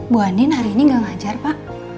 bu andin hari ini gak ngajar pak